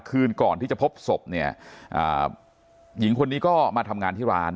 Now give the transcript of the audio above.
คืนก่อนที่จะพบศพเนี่ยหญิงคนนี้ก็มาทำงานที่ร้าน